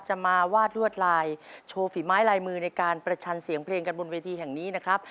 จะมาวาดลวดลายโชว์ฝีไม้ลายมือในการประชันเสียงเพลงกันบนเวทีแห่งนี้นะครับ